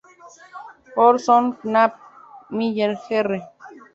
Orson Knapp Miller Jr.